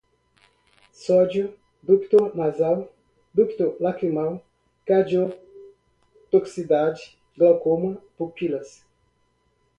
hematoencefálica, tópica, sódio, ducto nasal, ducto lacrimal, cardiotoxicidade, glaucoma, pupilas, benzocaína